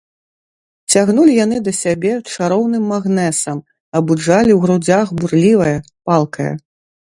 Цягнулі яны да сябе чароўным магнэсам, абуджалі ў грудзях бурлівае, палкае.